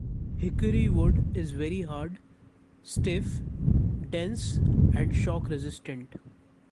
Hickory wood is very hard, stiff, dense and shock resistant.